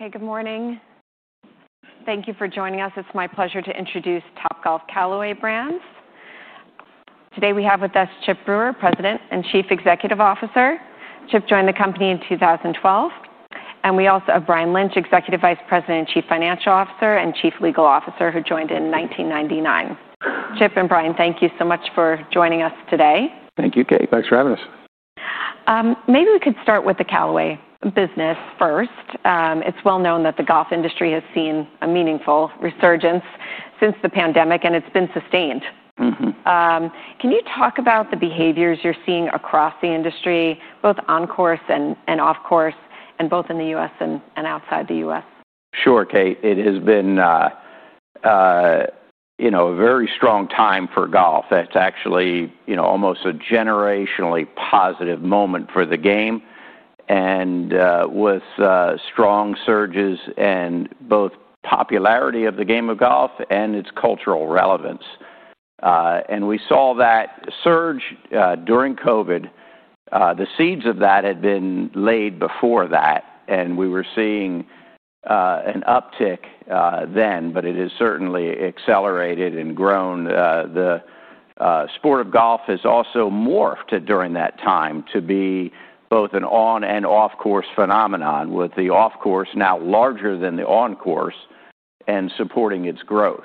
Hey, good morning. Thank you for joining us. It's my pleasure to introduce Topgolf Callaway Brands. Today, we have with us Chip Brewer, President and Chief Executive Officer. Chip joined the company in 2012, and we also have Brian Lynch, Executive Vice President and Chief Financial Officer, and Chief Legal Officer, who joined in 1999. Chip and Brian, thank you so much for joining us today. Thank you, Kate. Thanks for having us. Maybe we could start with the Callaway business first. It's well known that the golf industry has seen a meaningful resurgence since the pandemic, and it's been sustained. Mm-hmm. Can you talk about the behaviors you're seeing across the industry, both on course and off course, and both in the U.S. and outside the U.S.? Sure, Kate. It has been, you know, a very strong time for golf. It's actually, you know, almost a generationally positive moment for the game, and with strong surges in both popularity of the game of golf and its cultural relevance. And we saw that surge during COVID. The seeds of that had been laid before that, and we were seeing an uptick then, but it has certainly accelerated and grown. The sport of golf has also morphed during that time to be both an on and off-course phenomenon, with the off-course now larger than the on-course and supporting its growth.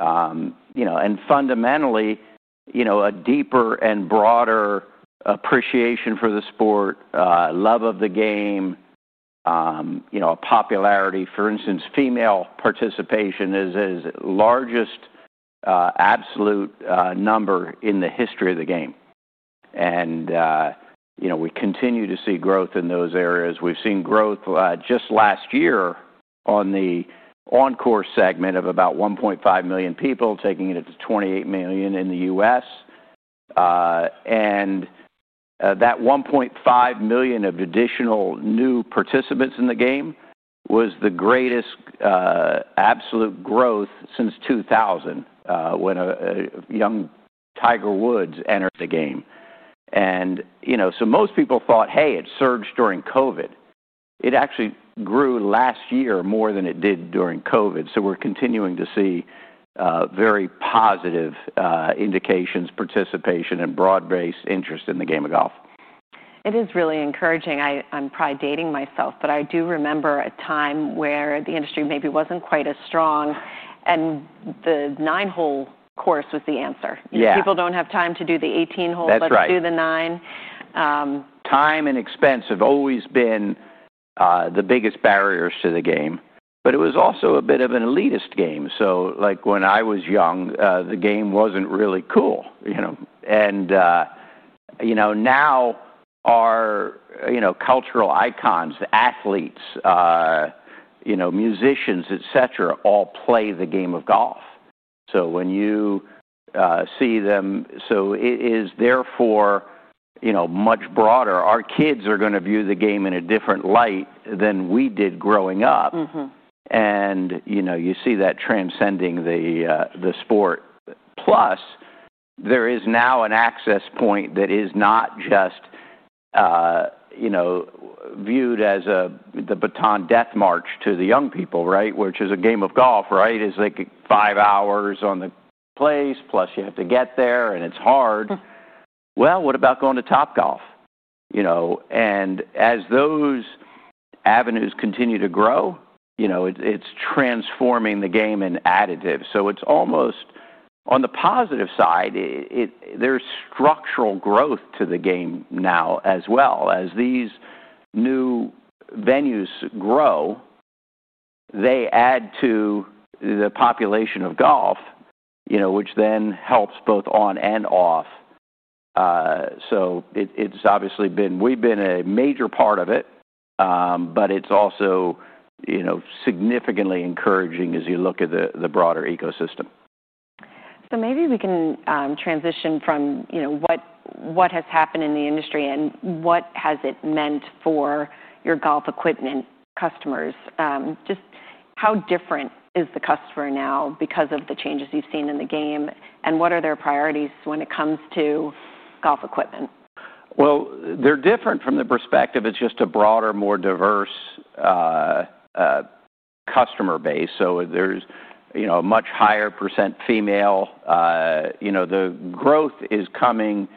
You know, and fundamentally, you know, a deeper and broader appreciation for the sport, love of the game, you know, a popularity. For instance, female participation is at its largest, absolute, number in the history of the game. You know, we continue to see growth in those areas. We've seen growth, just last year on the on-course segment of about 1.5 million people, taking it to 28 million in the U.S. And, that 1.5 million of additional new participants in the game was the greatest, absolute growth since 2000, when a young Tiger Woods entered the game. You know, so most people thought, "Hey, it surged during COVID." It actually grew last year more than it did during COVID, so we're continuing to see, very positive, indications, participation, and broad-based interest in the game of golf. It is really encouraging. I'm probably dating myself, but I do remember a time where the industry maybe wasn't quite as strong, and the nine-hole course was the answer. Yeah. People don't have time to do the eighteen holes- That's right. Let's do the nine. Time and expense have always been the biggest barriers to the game, but it was also a bit of an elitist game. So, like, when I was young, the game wasn't really cool, you know? And, you know, now our, you know, cultural icons, the athletes, you know, musicians, et cetera, all play the game of golf. So when you see them... So it is therefore, you know, much broader. Our kids are gonna view the game in a different light than we did growing up. Mm-hmm. And you know, you see that transcending the sport. Plus, there is now an access point that is not just you know, viewed as a the Bataan Death March to the young people, right? Which is a game of golf, right, is like five hours on the course, plus you have to get there, and it's hard. What about going to Topgolf? You know, and as those avenues continue to grow, you know, it's transforming the game in additive. So it's almost, on the positive side, it... there's structural growth to the game now as well. As these new venues grow, they add to the population of golf, you know, which then helps both on and off. So it, it's obviously been... We've been a major part of it, but it's also, you know, significantly encouraging as you look at the broader ecosystem. So maybe we can transition from, you know, what has happened in the industry and what has it meant for your golf equipment customers. Just how different is the customer now because of the changes you've seen in the game, and what are their priorities when it comes to golf equipment? They're different from the perspective. It's just a broader, more diverse customer base, so there's, you know, a much higher percent female. You know, the growth is coming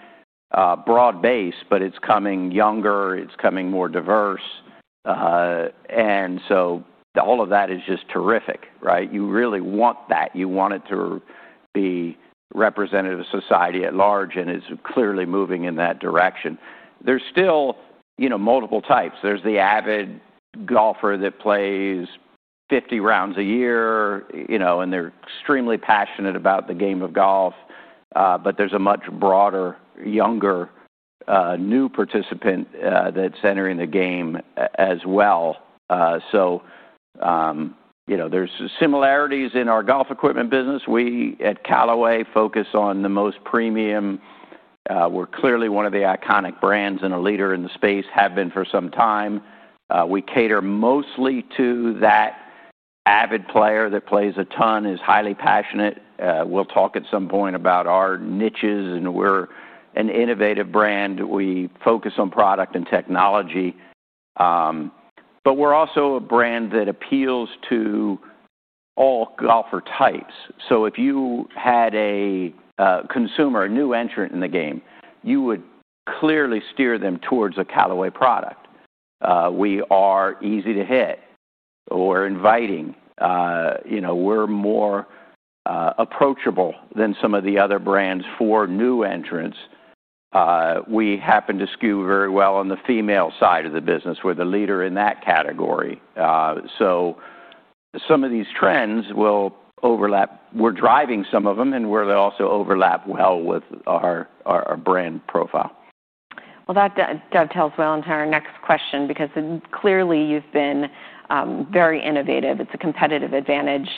broad-based, but it's coming younger, it's coming more diverse. And so all of that is just terrific, right? You really want that. You want it to be representative of society at large, and it's clearly moving in that direction. There's still, you know, multiple types. There's the avid golfer that plays 50 rounds a year, you know, and they're extremely passionate about the game of golf, but there's a much broader, younger new participant that's entering the game as well. So, you know, there's similarities in our golf equipment business. We, at Callaway, focus on the most premium. We're clearly one of the iconic brands and a leader in the space, have been for some time. We cater mostly to avid player that plays a ton, is highly passionate. We'll talk at some point about our niches, and we're an innovative brand. We focus on product and technology, but we're also a brand that appeals to all golfer types. So if you had a consumer, a new entrant in the game, you would clearly steer them towards a Callaway product. We are easy to hit. We're inviting, you know, we're more approachable than some of the other brands for new entrants. We happen to skew very well on the female side of the business. We're the leader in that category. So some of these trends will overlap. We're driving some of them, and they also overlap well with our brand profile. That dovetails well into our next question because clearly you've been very innovative. It's a competitive advantage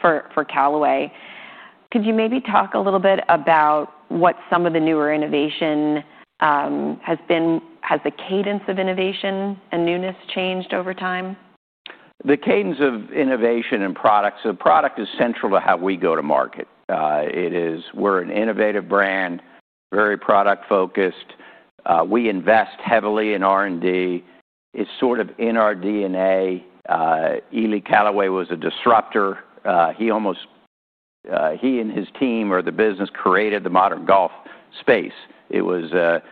for Callaway. Could you maybe talk a little bit about what some of the newer innovation has been? Has the cadence of innovation and newness changed over time? The cadence of innovation and products. So product is central to how we go to market. It is. We're an innovative brand, very product-focused. We invest heavily in R&D. It's sort of in our D&A. Ely Callaway was a disruptor. He almost, he and his team or the business created the modern golf space. It was a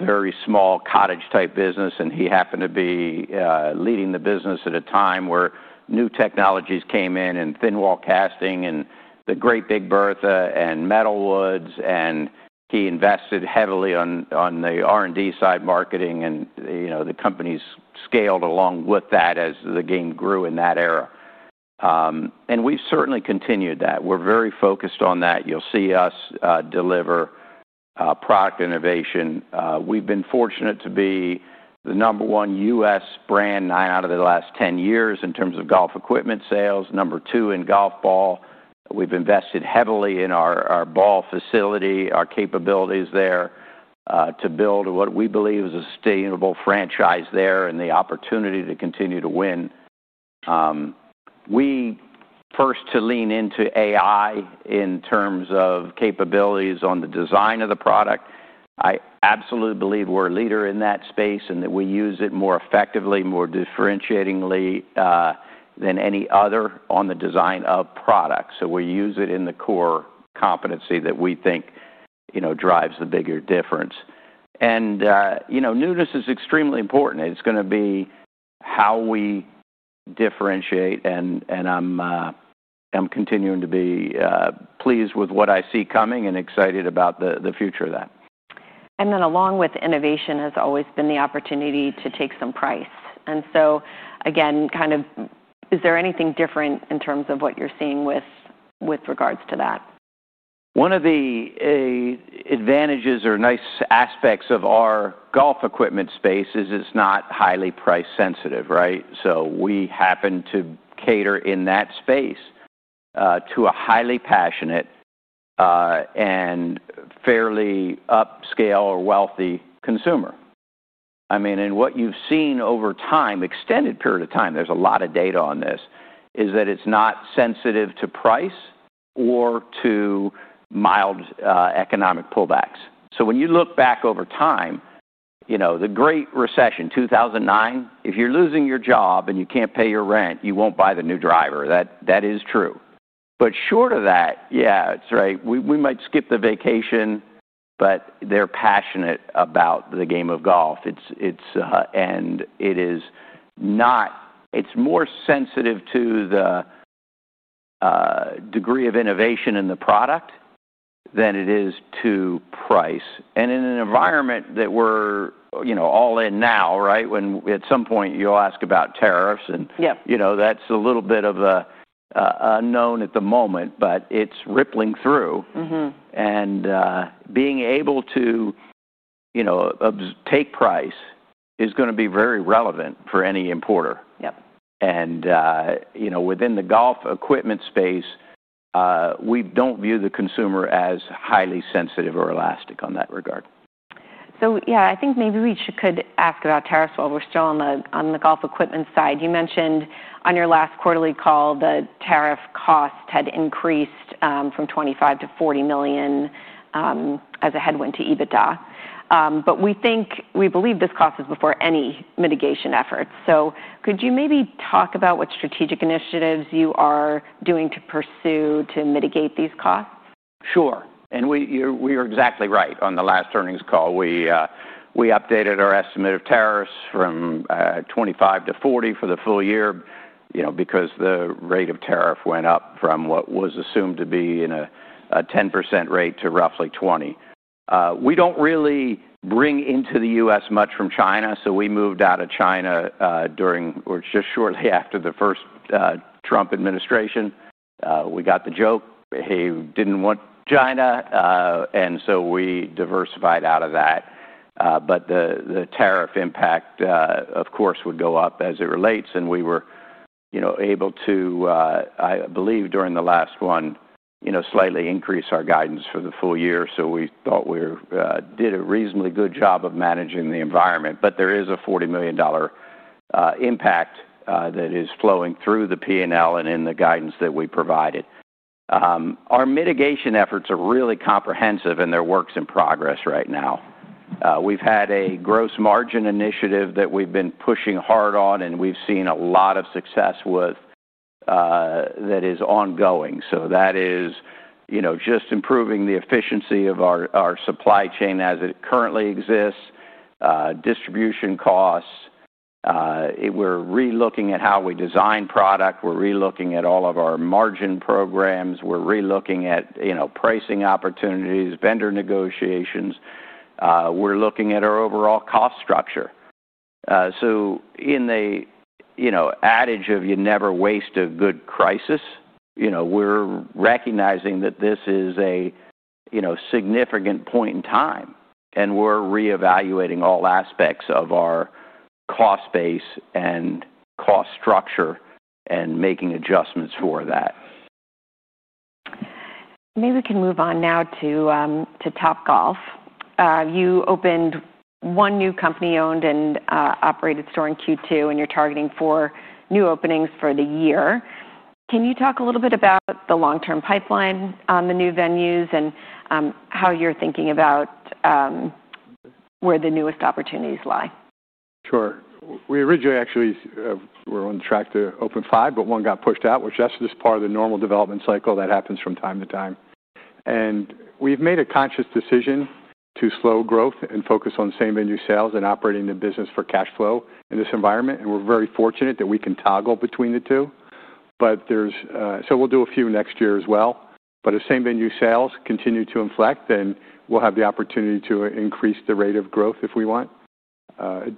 very small cottage-type business, and he happened to be leading the business at a time where new technologies came in, and thin wall casting, and the Great Big Bertha, and metal woods, and he invested heavily on the R&D side, marketing, and, you know, the companies scaled along with that as the game grew in that era, and we've certainly continued that. We're very focused on that. You'll see us deliver product innovation. We've been fortunate to be the number one U.S. brand, nine out of the last ten years in terms of golf equipment sales. Number two in golf ball. We've invested heavily in our ball facility, our capabilities there, to build what we believe is a sustainable franchise there and the opportunity to continue to win. We first to lean into AI in terms of capabilities on the design of the product. I absolutely believe we're a leader in that space, and that we use it more effectively, more differentiatingly, than any other on the design of products. So we use it in the core competency that we think, you know, drives the bigger difference. And, you know, newness is extremely important. It's gonna be how we differentiate, and I'm continuing to be pleased with what I see coming and excited about the future of that. And then along with innovation has always been the opportunity to take some price. And so again, kind of, is there anything different in terms of what you're seeing with, with regards to that? One of the advantages or nice aspects of our golf equipment space is it's not highly price sensitive, right? So we happen to cater in that space to a highly passionate and fairly upscale or wealthy consumer. I mean, and what you've seen over time, extended period of time, there's a lot of data on this, is that it's not sensitive to price or to mild economic pullbacks. So when you look back over time, you know, the Great Recession, two thousand and nine, if you're losing your job and you can't pay your rent, you won't buy the new driver. That is true. But short of that, yeah, it's right. We might skip the vacation, but they're passionate about the game of golf. It's... And it is not. It's more sensitive to the degree of innovation in the product than it is to price. And in an environment that we're, you know, all in now, right? When at some point you'll ask about tariffs, and- Yeah. You know, that's a little bit of an unknown at the moment, but it's rippling through. Mm-hmm. Being able to, you know, take price is gonna be very relevant for any importer. Yep. You know, within the golf equipment space, we don't view the consumer as highly sensitive or elastic on that regard. So yeah, I think maybe we should ask about tariffs while we're still on the golf equipment side. You mentioned on your last quarterly call, the tariff cost had increased from $25 million-$40 million as a headwind to EBITDA. But we think, we believe this cost is before any mitigation efforts. So could you maybe talk about what strategic initiatives you are doing to pursue to mitigate these costs? Sure, and we, you, we are exactly right. On the last earnings call, we updated our estimate of tariffs from 25 to 40 for the full year, you know, because the rate of tariff went up from what was assumed to be a 10% rate to roughly 20%. We don't really bring into the U.S. much from China, so we moved out of China during or just shortly after the first Trump administration. We got the joke. He didn't want China, and so we diversified out of that. But the tariff impact, of course, would go up as it relates, and we were, you know, able to, I believe during the last one... You know, slightly increase our guidance for the full year, so we thought we did a reasonably good job of managing the environment. But there is a $40 million impact that is flowing through the P&L and in the guidance that we provided. Our mitigation efforts are really comprehensive, and they're works in progress right now. We've had a gross margin initiative that we've been pushing hard on, and we've seen a lot of success with that is ongoing. So that is, you know, just improving the efficiency of our supply chain as it currently exists, distribution costs, we're relooking at how we design product, we're relooking at all of our margin programs, we're relooking at, you know, pricing opportunities, vendor negotiations, we're looking at our overall cost structure. So in an adage of you never waste a good crisis, you know, we're recognizing that this is a, you know, significant point in time, and we're reevaluating all aspects of our cost base and cost structure and making adjustments for that. Maybe we can move on now to Topgolf. You opened one new company-owned and operated store in Q2, and you're targeting four new openings for the year. Can you talk a little bit about the long-term pipeline, the new venues, and how you're thinking about where the newest opportunities lie? Sure. We originally actually were on track to open five, but one got pushed out, which that's just part of the normal development cycle that happens from time to time, and we've made a conscious decision to slow growth and focus on same-venue sales and operating the business for cash flow in this environment, and we're very fortunate that we can toggle between the two, but there's so we'll do a few next year as well, but as same-venue sales continue to inflect, then we'll have the opportunity to increase the rate of growth if we want.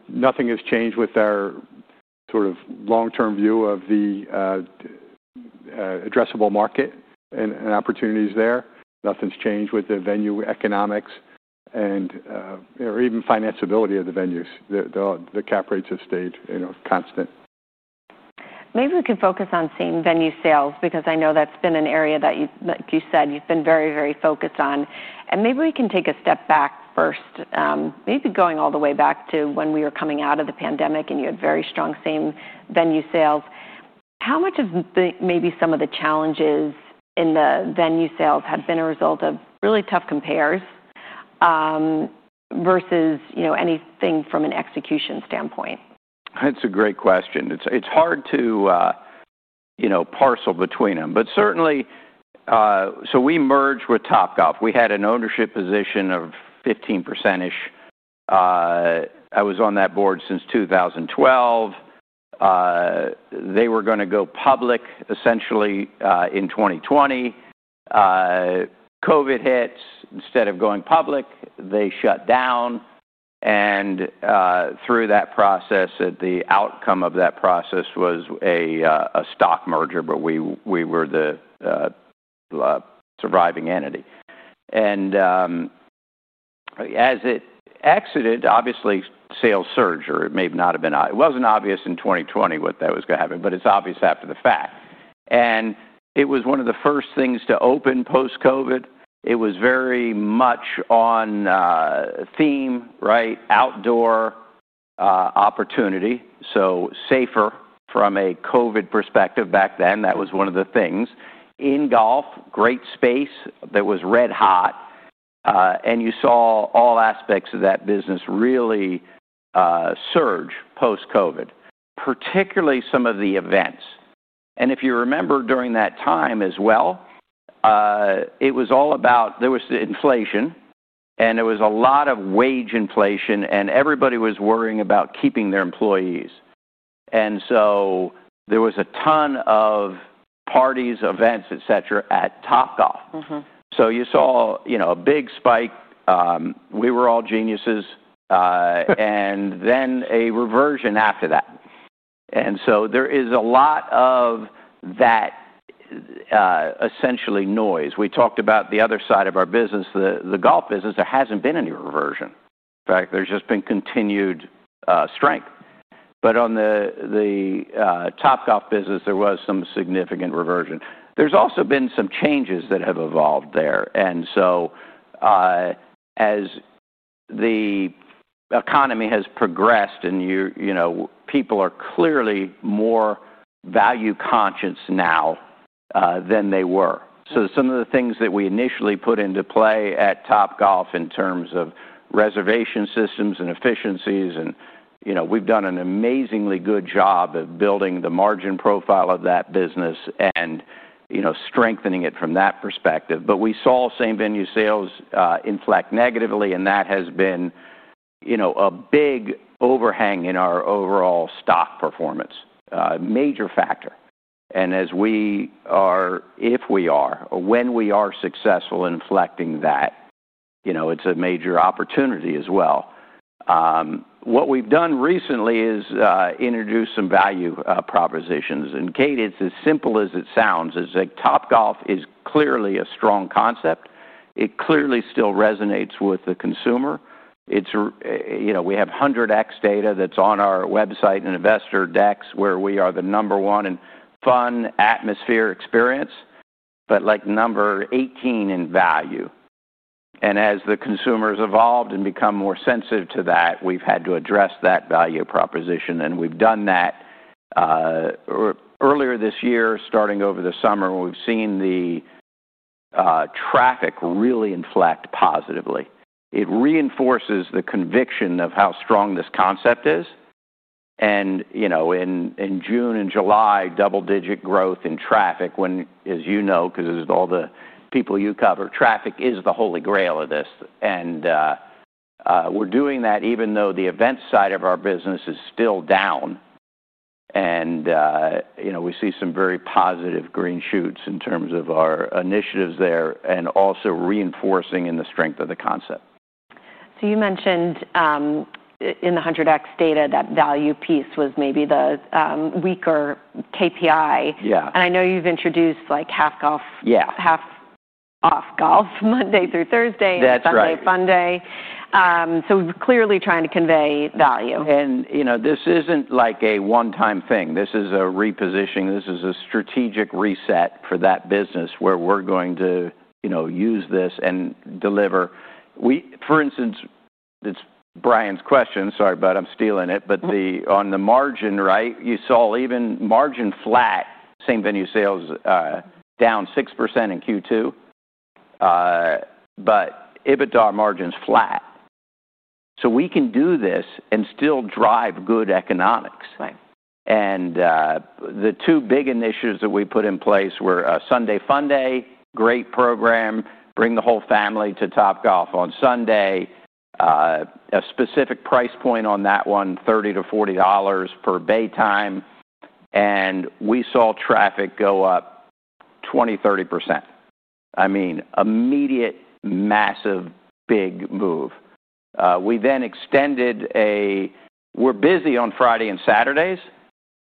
Nothing has changed with our sort of long-term view of the addressable market and opportunities there. Nothing's changed with the venue economics and or even financeability of the venues. The cap rates have stayed, you know, constant. Maybe we can focus on same-venue sales, because I know that's been an area that you, like you said, you've been very, very focused on, and maybe we can take a step back first, maybe going all the way back to when we were coming out of the pandemic and you had very strong same-venue sales. How much of the, maybe some of the challenges in the venue sales have been a result of really tough compares, versus, you know, anything from an execution standpoint? That's a great question. It's hard to, you know, parse between them, but certainly. So we merged with Topgolf. We had an ownership position of 15%. I was on that board since two thousand and twelve. They were gonna go public essentially in twenty twenty. COVID hits, instead of going public, they shut down, and through that process, the outcome of that process was a stock merger, but we were the surviving entity. And as it exited, obviously, sales surged, or it may not have been obvious. It wasn't obvious in twenty twenty what that was gonna happen, but it's obvious after the fact. And it was one of the first things to open post-COVID. It was very much on theme, right? Outdoor opportunity, so safer from a COVID perspective back then. That was one of the things. In golf, great space that was red hot, and you saw all aspects of that business really, surge post-COVID, particularly some of the events. And if you remember during that time as well, it was all about there was inflation, and there was a lot of wage inflation, and everybody was worrying about keeping their employees. And so there was a ton of parties, events, et cetera, at Topgolf. Mm-hmm. So you saw, you know, a big spike, we were all geniuses, and then a reversion after that, and so there is a lot of that, essentially noise. We talked about the other side of our business, the golf business, there hasn't been any reversion, in fact, there's just been continued strength, but on the Topgolf business, there was some significant reversion. There's also been some changes that have evolved there, and so, as the economy has progressed and you know, people are clearly more value-conscious now, than they were, so some of the things that we initially put into play at Topgolf in terms of reservation systems and efficiencies and, you know, we've done an amazingly good job at building the margin profile of that business and, you know, strengthening it from that perspective. But we saw same-venue sales inflect negatively, and that has been, you know, a big overhang in our overall stock performance, major factor. And as we are, if we are, or when we are successful in inflecting that, you know, it's a major opportunity as well. What we've done recently is introduce some value propositions. And, Kate, it's as simple as it sounds, is that Topgolf is clearly a strong concept. It clearly still resonates with the consumer. It's, you know, we have HundredX data that's on our website and investor decks, where we are the number one in fun, atmosphere, experience, but like, number 18 in value. And as the consumer's evolved and become more sensitive to that, we've had to address that value proposition, and we've done that. Earlier this year, starting over the summer, we've seen the traffic really inflect positively. It reinforces the conviction of how strong this concept is, and, you know, in June and July, double-digit growth in traffic, when, as you know, because all the people you cover, traffic is the holy grail of this, and we're doing that even though the event side of our business is still down, and, you know, we see some very positive green shoots in terms of our initiatives there, and also reinforcing in the strength of the concept. So you mentioned in the HundredX data, that value piece was maybe the weaker KPI. Yeah. I know you've introduced, like, half golf- Yeah... half-off golf, Monday through Thursday. That's right -and Sunday Funday. So clearly trying to convey value. And, you know, this isn't like a one-time thing. This is a repositioning. This is a strategic reset for that business, where we're going to, you know, use this and deliver. We, for instance, it's Brian's question, sorry, but I'm stealing it- Mm-hmm. But on the margin, right, you saw even margin flat, same venue sales down 6% in Q2, but EBITDA margin's flat. So we can do this and still drive good economics. Right. The two big initiatives that we put in place were Sunday Funday, great program, bring the whole family to Topgolf on Sunday. A specific price point on that one, $30-$40 per bay time, and we saw traffic go up 20%-30%. I mean, immediate, massive, big move. We're busy on Friday and Saturdays,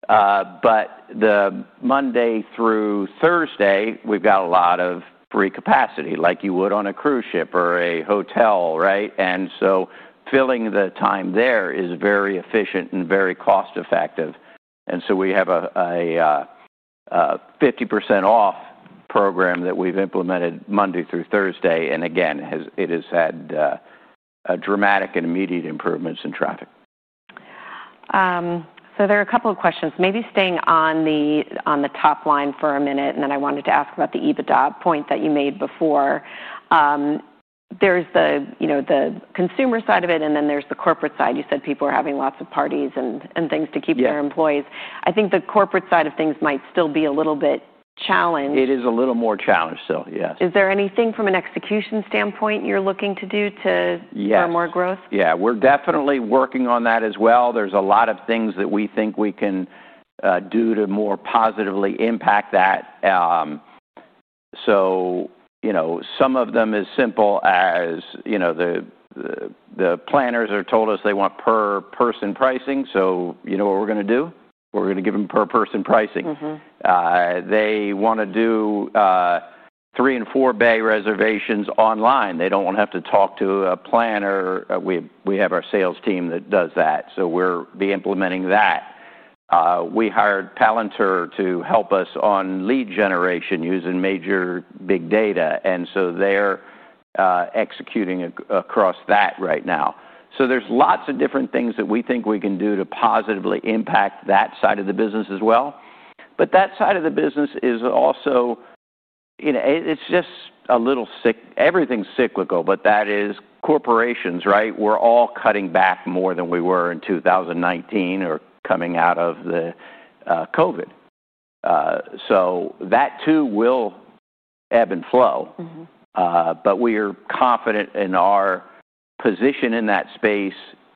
but the Monday through Thursday, we've got a lot of free capacity, like you would on a cruise ship or a hotel, right? And so filling the time there is very efficient and very cost-effective, and so we have a 50% off program that we've implemented Monday through Thursday, and again, it has had a dramatic and immediate improvements in traffic. So there are a couple of questions, maybe staying on the top line for a minute, and then I wanted to ask about the EBITDA point that you made before. There's, you know, the consumer side of it, and then there's the corporate side. You said people are having lots of parties and things to keep- Yeah Their employees. I think the corporate side of things might still be a little bit challenged. It is a little more challenged still, yes. Is there anything from an execution standpoint you're looking to do to- Yes... for more growth? Yeah, we're definitely working on that as well. There's a lot of things that we think we can do to more positively impact that. So, you know, some of them as simple as, you know, the planners have told us they want per person pricing, so you know what we're gonna do? We're gonna give them per person pricing. Mm-hmm. They wanna do three and four bay reservations online. They don't want to have to talk to a planner. We have our sales team that does that, so we're implementing that. We hired Palantir to help us on lead generation using big data, and so they're executing across that right now. So there's lots of different things that we think we can do to positively impact that side of the business as well. But that side of the business is also. It's just a little cyclical. Everything's cyclical, but that is corporations, right? We're all cutting back more than we were in 2019 or coming out of the COVID. So that too will ebb and flow. Mm-hmm. But we are confident in our position in that space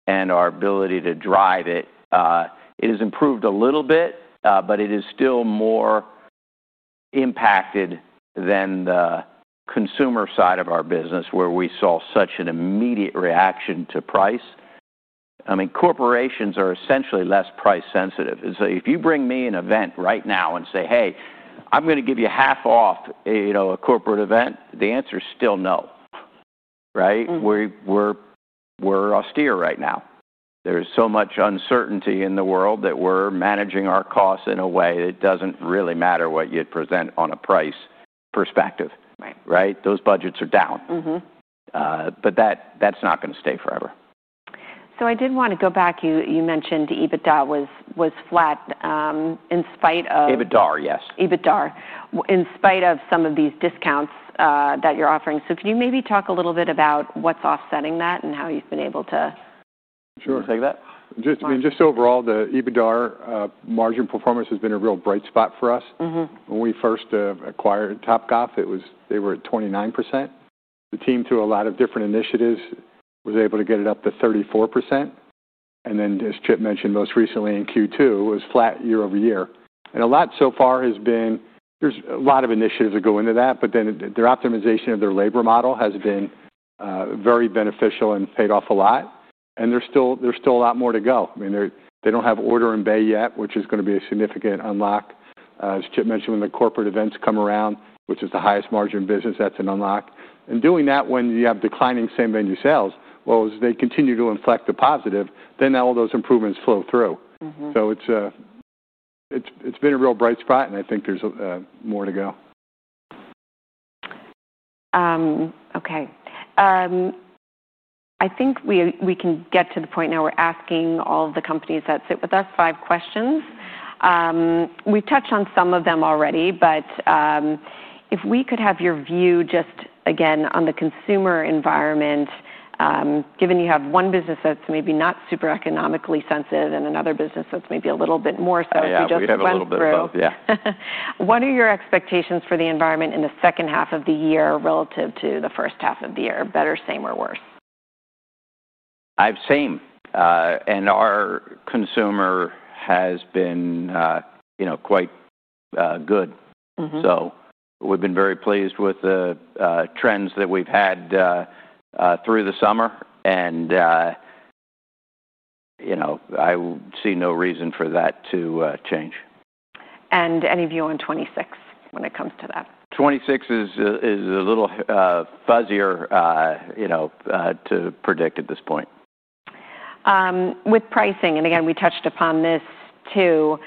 and our ability to drive it. It has improved a little bit, but it is still more impacted than the consumer side of our business, where we saw such an immediate reaction to price. I mean, corporations are essentially less price-sensitive. So if you bring me an event right now and say, "Hey, I'm gonna give you half off, you know, a corporate event," the answer is still no, right? Mm-hmm. We're austere right now. There's so much uncertainty in the world that we're managing our costs in a way that doesn't really matter what you'd present on a price perspective. Right. Right? Those budgets are down. Mm-hmm. But that, that's not gonna stay forever. So I did wanna go back. You mentioned EBITDA was flat in spite of- EBITDAR, yes. EBITDAR, in spite of some of these discounts, that you're offering. So can you maybe talk a little bit about what's offsetting that and how you've been able to- Sure. You want to take that? Just, I mean, just overall, the EBITDAR margin performance has been a real bright spot for us. Mm-hmm. When we first acquired Topgolf, it was, they were at 29%. The team, through a lot of different initiatives, was able to get it up to 34%, and then, as Chip mentioned, most recently in Q2, it was flat year-over-year, and a lot so far has been... There's a lot of initiatives that go into that, but then their optimization of their labor model has been very beneficial and paid off a lot, and there's still a lot more to go. I mean, they don't have order in bay yet, which is gonna be a significant unlock... as Chip mentioned, when the corporate events come around, which is the highest margin business, that's an unlock. And doing that when you have declining same-venue sales, well, as they continue to inflect the positive, then all those improvements flow through. It's been a real bright spot, and I think there's more to go. Okay. I think we can get to the point now where we're asking all of the companies that sit with us five questions. We've touched on some of them already, but if we could have your view just again on the consumer environment, given you have one business that's maybe not super economically sensitive and another business that's maybe a little bit more so- Oh, yeah, we have a little bit of both. What are your expectations for the environment in the second half of the year relative to the first half of the year? Better, same, or worse? And our consumer has been, you know, quite good. Mm-hmm. So we've been very pleased with the trends that we've had through the summer, and you know, I see no reason for that to change. Any view on 2026 when it comes to that? 2026 is a little fuzzier, you know, to predict at this point. With pricing, and again, we touched upon this, too,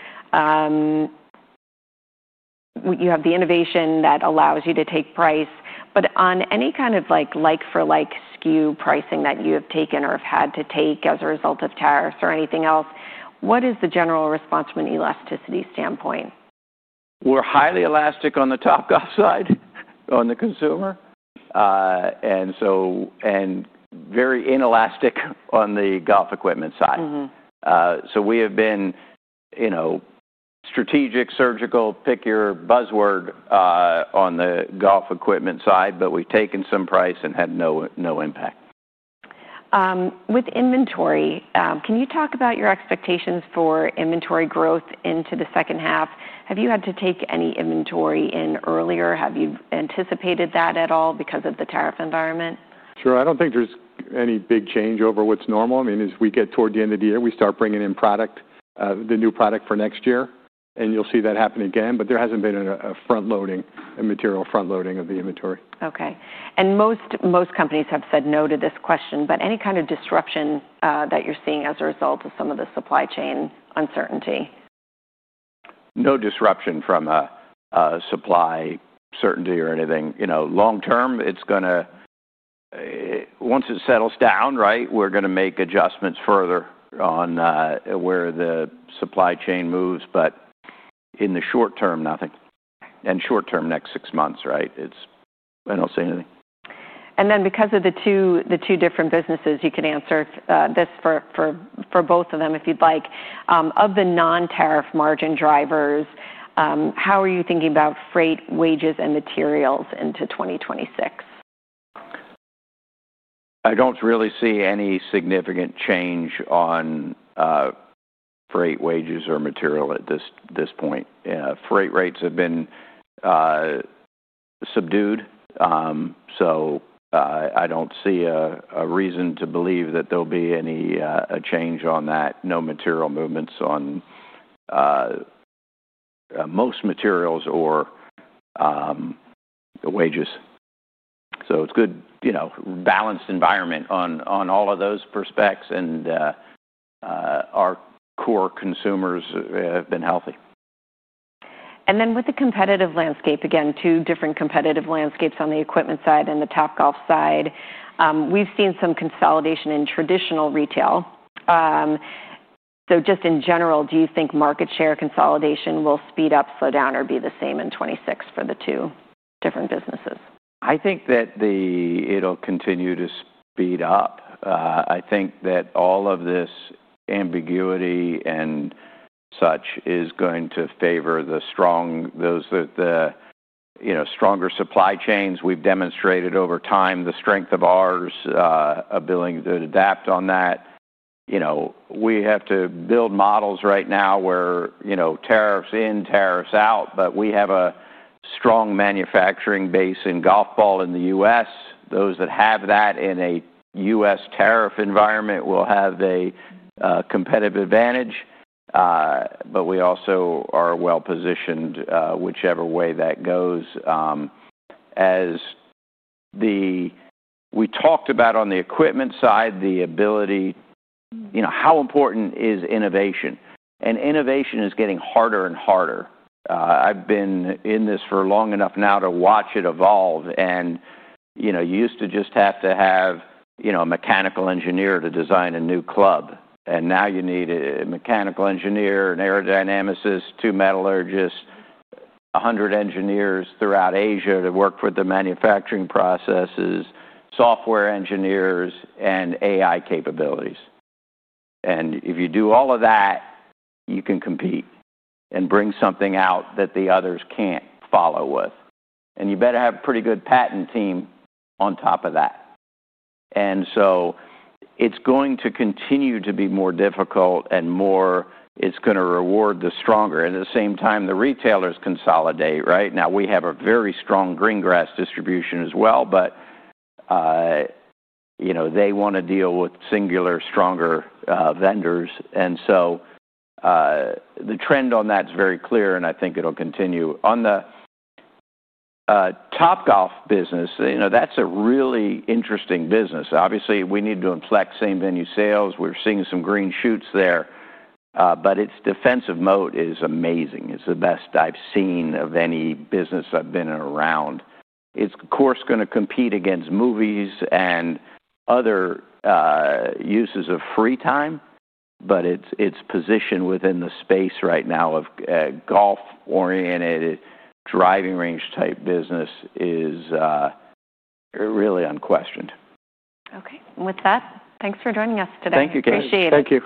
you have the innovation that allows you to take price, but on any kind of like for like SKU pricing that you have taken or have had to take as a result of tariffs or anything else, what is the general response from an elasticity standpoint? We're highly elastic on the Topgolf side, on the consumer, and very inelastic on the golf equipment side. Mm-hmm. So we have been, you know, strategic, surgical, pick your buzzword, on the golf equipment side, but we've taken some price and had no impact. With inventory, can you talk about your expectations for inventory growth into the second half? Have you had to take any inventory in earlier? Have you anticipated that at all because of the tariff environment? Sure. I don't think there's any big change over what's normal. I mean, as we get toward the end of the year, we start bringing in product, the new product for next year, and you'll see that happen again, but there hasn't been a material front-loading of the inventory. Okay. And most companies have said no to this question, but any kind of disruption that you're seeing as a result of some of the supply chain uncertainty? No disruption from a supply certainty or anything. You know, long term, it's gonna. Once it settles down, right, we're gonna make adjustments further on where the supply chain moves, but in the short term, nothing. Short term, next six months, right? I don't see anything. And then, because of the two different businesses, you can answer this for both of them if you'd like. Of the non-tariff margin drivers, how are you thinking about freight, wages, and materials into 2026? I don't really see any significant change on freight, wages, or material at this point. Freight rates have been subdued, so I don't see a reason to believe that there'll be any change on that. No material movements on most materials or the wages. So it's good, you know, balanced environment on all of those prospects, and our core consumers have been healthy. And then with the competitive landscape, again, two different competitive landscapes on the equipment side and the Topgolf side. We've seen some consolidation in traditional retail. So just in general, do you think market share consolidation will speed up, slow down, or be the same in 2026 for the two different businesses? I think that it'll continue to speed up. I think that all of this ambiguity and such is going to favor the strong, those with the, you know, stronger supply chains. We've demonstrated over time the strength of ours, ability to adapt on that. You know, we have to build models right now where, you know, tariffs in, tariffs out, but we have a strong manufacturing base in golf balls in the U.S. Those that have that in a U.S. tariff environment will have a competitive advantage, but we also are well-positioned, whichever way that goes. As the... We talked about on the equipment side, the ability, you know, how important is innovation? And innovation is getting harder and harder. I've been in this for long enough now to watch it evolve and, you know, you used to just have to have, you know, a mechanical engineer to design a new club, and now you need a mechanical engineer, an aerodynamicist, two metallurgists, a hundred engineers throughout Asia to work with the manufacturing processes, software engineers, and AI capabilities. If you do all of that, you can compete and bring something out that the others can't follow with, and you better have a pretty good patent team on top of that. It's going to continue to be more difficult and more; it's gonna reward the stronger, and at the same time, the retailers consolidate, right? Now, we have a very strong green grass distribution as well, but, you know, they want to deal with singular, stronger vendors. And so, the trend on that's very clear, and I think it'll continue. On the Topgolf business, you know, that's a really interesting business. Obviously, we need to inflect same-venue sales. We're seeing some green shoots there, but its defensive mode is amazing. It's the best I've seen of any business I've been around. It's, of course, gonna compete against movies and other uses of free time, but its, its position within the space right now of golf-oriented, driving range-type business is really unquestioned. Okay. With that, thanks for joining us today. Thank you, Kate. Appreciate it. Thank you.